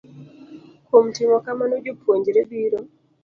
Kuom timo kamano, jopuonjre biro